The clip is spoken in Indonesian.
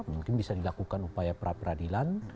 mungkin bisa dilakukan upaya pra peradilan